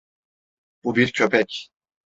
Bu bir köpek.